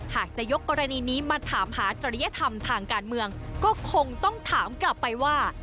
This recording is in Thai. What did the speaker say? หากจะยกกรณีนี้มาถามหาจริยธรรมทางการเมืองก็คงต้องถามกลับไปว่า